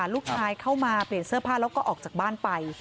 เข้ามาเปลี่ยนเสื้อผ้าแล้วก็ออกจากบ้านไป